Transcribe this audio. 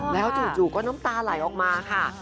แล้วจู่ก็น้ำตาไหลออกมาค่ะ